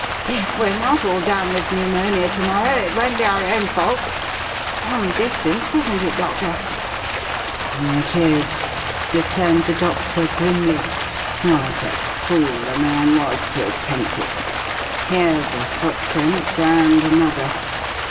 "If we're not all down with pneumonia to morrow, it won't be our own faults!... Some distance, isn't it, Doctor?" "It is," returned the doctor grimly. "What a fool the man was to attempt it!... Here's a footprint, and another."